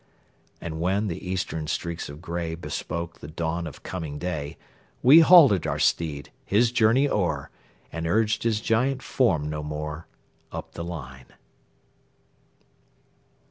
And when the Eastern streaks of gray Bespoke the dawn of coming day, We halted our steed, his journey o'er, And urged his giant form no more, Up the line.